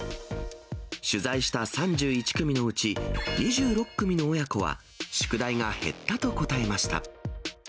取材した３１組のうち、２６組の親子は、宿題が減ったと答えました。